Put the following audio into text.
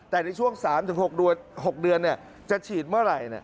แต่ในช่วง๓๖เดือนจะฉีดเมื่อไหร่